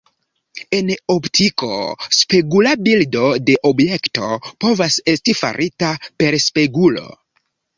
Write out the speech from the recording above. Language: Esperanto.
En optiko, spegula bildo de objekto povas esti farita per spegulo.